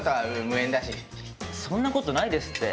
そんなことないですって